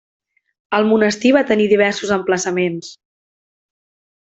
El monestir va tenir diversos emplaçaments.